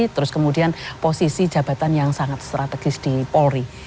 terus kemudian posisi jabatan yang sangat strategis di polri